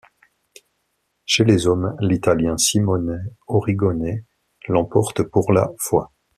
Chez les hommes, l'italien Simone Origone l'emporte pour la fois.